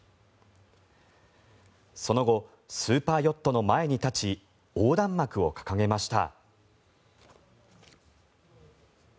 その後スーパーヨットの前に立ち横断幕を掲げました。